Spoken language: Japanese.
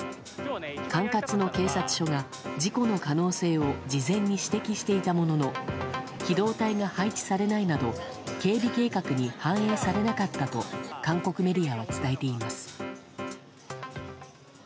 管轄の警察署が事故の可能性を事前に指摘していたものの機動隊が配置されないなど警備計画に反映されなかったと韓国メディアは伝えています。